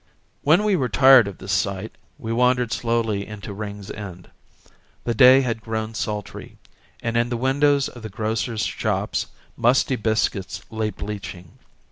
When we were tired of this sight we wandered slowly into Ringsend. The day had grown sultry, and in the windows of the grocers' shops musty biscuits lay bleaching.